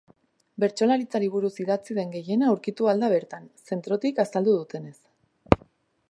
Bertsolaritzari buruz idatzi den gehiena aurkitu ahal da bertan, zentrotik azaldu dutenez.